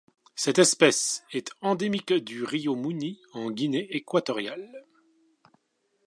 Cette espèce est endémique du Río Muni en Guinée équatoriale.